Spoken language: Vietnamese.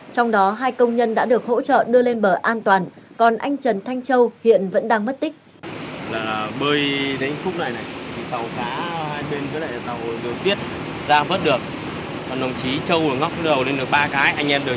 trong đó hai công nhân đã được hỗ trợ đưa lên bờ an toàn còn anh trần thanh châu hiện vẫn đang mất tích